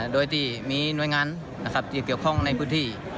โดยที่มีหน่วยงานที่เกี่ยวข้องในพื้นที่